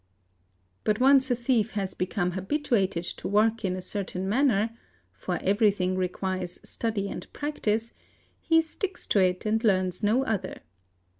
But once a thief has become habituated to work in a certain manner—for everything requires study and practice—he sticks to it and learns no other.